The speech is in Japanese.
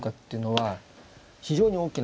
はい。